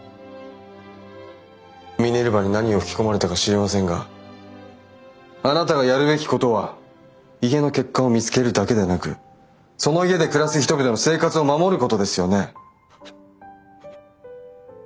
ミネルヴァに何を吹き込まれたか知りませんがあなたがやるべきことは家の欠陥を見つけるだけでなくその家で暮らす人々の生活を守ることですよね。